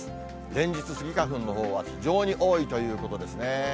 連日、スギ花粉のほうは非常に多いということですね。